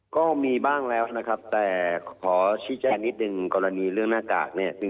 ก็มีบ้างแล้วนะครับแต่ขอชี้แจ้งนิดนึงกรณีเรื่องหน้ากากเนี่ย